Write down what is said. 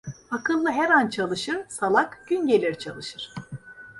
Akıllı her an çalışır, salak gün gelir çalışır.